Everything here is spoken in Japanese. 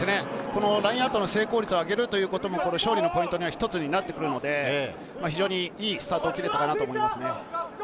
ラインアウトの成功率を上げることも勝負のポイントになってくるので、いいスタートを切れたかと思います。